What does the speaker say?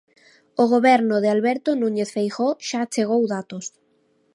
O Goberno de Alberto Núñez Feijóo xa achegou datos.